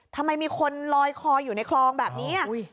ทำไมมีคนลอยคออยู่ในคลองแบบนี้